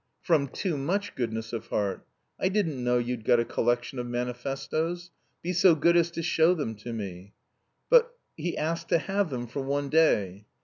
"From too much goodness of heart. I didn't know you'd got a collection of manifestoes. Be so good as to show them to me." "But... he asked to have them for one day."